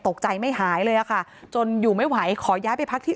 ตกใจไม่หายเลยอะค่ะจนอยู่ไม่ไหวขอย้ายไปพักที่